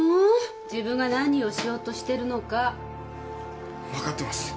自分が何をしようとしてるのか分かってます